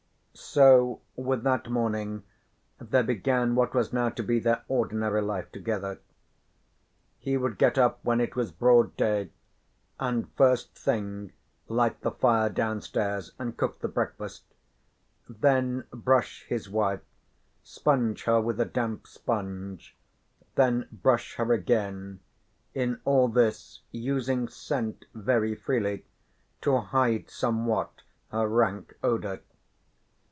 So with that morning there began what was now to be their ordinary life together. He would get up when it was broad day, and first thing light the fire downstairs and cook the breakfast, then brush his wife, sponge her with a damp sponge, then brush her again, in all this using scent very freely to hide somewhat her rank odour.